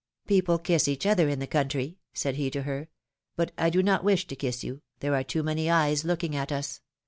'^People kiss each other in the country," said he to her; but I do not wish to kiss you, there are too many eyes looking at us.